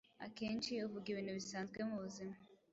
akenshi uvuga ibintu bisanzwe mu buzima.